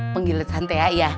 penggilet santai ya